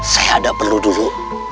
saya ada perlu dulu